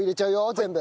全部。